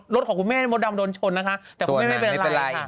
รถของคุณแม่มดดำโดนชนแต่คุณแม่ไม่เป็นไร